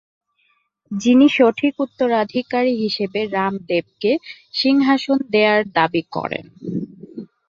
যিনি সঠিক উত্তরাধিকারী হিসেবে রাম দেবকে সিংহাসন দেয়ার দাবি করেন।